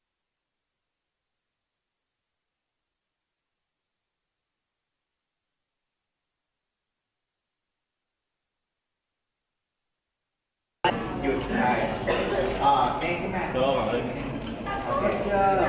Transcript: สุดท้ายก็ไม่มีเวลาที่จะรักกับที่อยู่ในภูมิหน้า